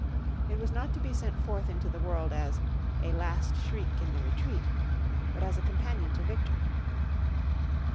It was not to be sent forth into the world as "a last shriek in the retreat," but as a companion to victory.